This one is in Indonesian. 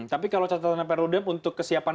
tapi kalau catatanan periode untuk kesiapan